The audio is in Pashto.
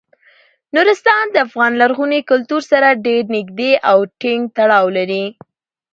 نورستان د افغان لرغوني کلتور سره ډیر نږدې او ټینګ تړاو لري.